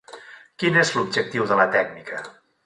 Quin és l'objectiu de la tècnica?